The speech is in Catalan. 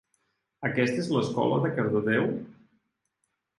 Aquesta és l'escola de Cardedeu?